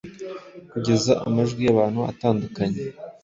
Kugeza amajwi yabantu adukanguye